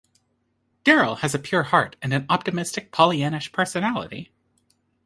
Darryl has a pure heart and an optimistic Pollyannish personality.